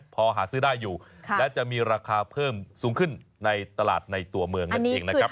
พอหาซื้อได้อยู่และจะมีราคาเพิ่มสูงขึ้นในตลาดในตัวเมืองนั่นเองนะครับ